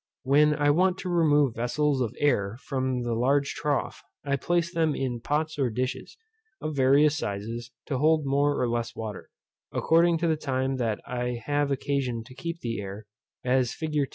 When I want to remove vessels of air from the large trough, I place them in pots or dishes, of various sizes, to hold more or less water, according to the time that I have occasion to keep the air, as fig.